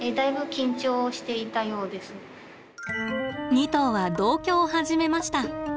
２頭は同居を始めました。